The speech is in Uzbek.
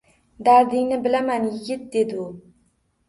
«Dardingni bilaman, yigit», — dedi u